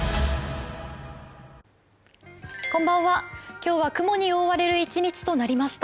今日は雲に覆われる一日となりました。